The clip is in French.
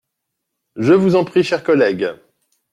Je vous en prie, cher collègue.